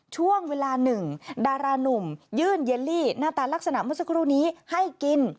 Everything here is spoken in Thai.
ช่วงเวลาหนึ่งดารานุ่มยื่นเยลลี่หน้าตาลักษณะเมื่อสักครู่นี้ให้กิน